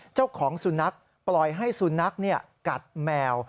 เจ้าของสุนัขปล่อยให้สุนัขกัดแมว